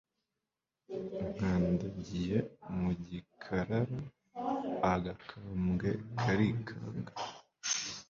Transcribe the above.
Nkandagiye mu gikarara agakambwe karikanga